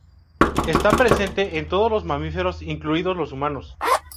Está presente en todos los mamíferos, incluido los humanos.